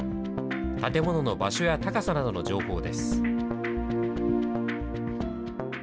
建物の場所や高さなどの情報です。